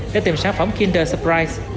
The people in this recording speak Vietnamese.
để tìm sản phẩm kinder surprise